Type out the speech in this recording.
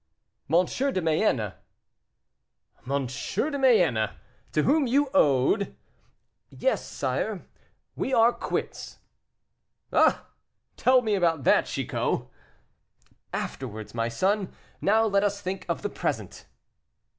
"M. de Mayenne." "M. de Mayenne, to whom you owed " "Yes, sire; we are quits." "Ah! tell me about that, Chicot." "Afterwards, my son; now let us think of the present."